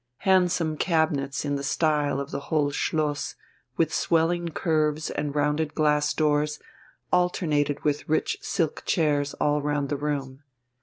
Handsome cabinets in the style of the whole Schloss, with swelling curves and rounded glass doors, alternated with rich silk chairs all round the room.